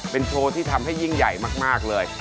เป็นโชว์ที่ทำให้ยิ่งใหญ่มากเลย